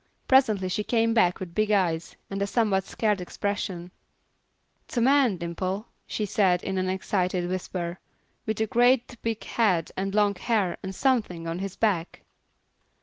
Presently she came back with big eyes and a somewhat scared expression. "Hit's a man, Miss Dimple," she said, in an excited whisper, "with a gre't big haid an' long hair, an' somethin' on his back."